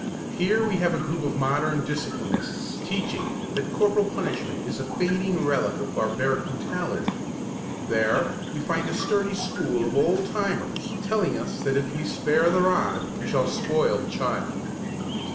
Here we have a group of modern disciplinists teaching that corporal punishment is a fading relic of barbaric brutality; there we find a sturdy school of old timers telling us that if we spare the rod we shall spoil the child.